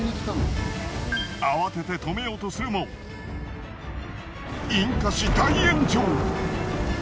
慌てて止めようとするも引火し大炎上。